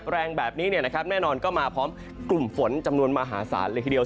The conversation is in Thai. แรงแบบนี้แน่นอนก็มาพร้อมกลุ่มฝนจำนวนมหาศาลเลยทีเดียว